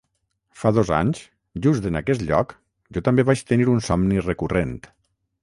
Fa dos anys, just en aquest lloc, jo també vaig tenir un somni recurrent.